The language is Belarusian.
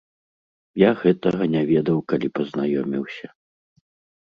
Я гэтага не ведаў, калі пазнаёміўся.